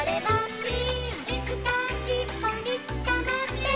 「いつかしっぽに捕まって」